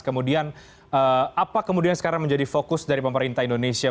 kemudian apa kemudian sekarang menjadi fokus dari pemerintah indonesia